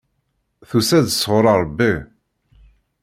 Tusa-d sɣur Rebbi.